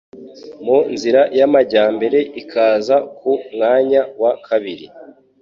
mu nzira y'amajyambere ikaza ku mwanya wa kabiri.